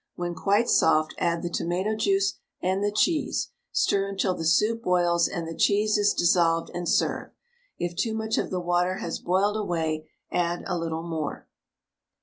When quite soft, add the tomato juice and the cheese; stir until the soup boils and the cheese is dissolved, and serve. If too much of the water has boiled away, add a little more.